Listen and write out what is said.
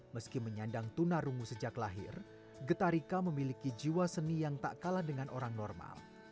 meski menyandang tunarungu sejak lahir getarika memiliki jiwa seni yang tak kalah dengan orang normal